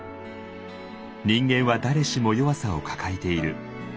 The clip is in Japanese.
人間は誰しも弱さを抱えている。